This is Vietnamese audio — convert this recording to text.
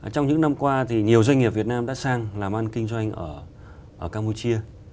trong những năm qua thì nhiều doanh nghiệp việt nam đã sang làm ăn kinh doanh ở campuchia